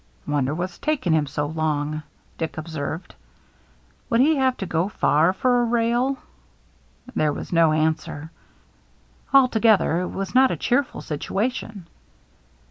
" Wonder what's taking him so long," Dick observed. " Would he have to go far for a rail?" There was no answer. Altogether, it was not a cheerful situation.